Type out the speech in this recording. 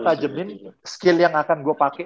tajemin skill yang akan gue pake